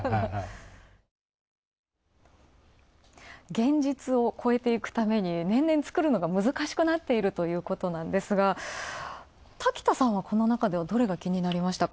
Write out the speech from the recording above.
現実を超えていくために年々作るのが難しくなっているということなんですが、滝田さんはこの中ではどれが気になりましたか？